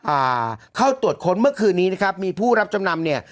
อ่าเข้าตรวจค้นเมื่อคืนนี้นะครับมีผู้รับจำนำเนี่ย